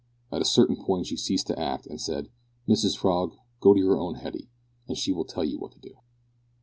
At a certain point she ceased to act, and said, "Mrs Frog, go to your own Hetty, and she will tell you what to do."